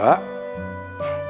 justru aku bicara fakta mak